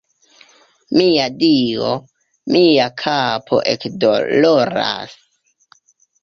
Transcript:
Mia Dio, mia kapo ekdoloras